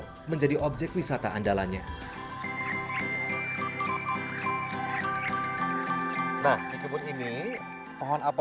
dan menjadi salah satu perusahaan yang berkembang di wilayah batu